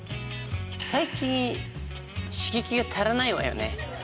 最近刺激が足らないわよね。